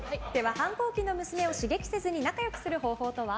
反抗期の娘を刺激せずに仲良くする方法とは？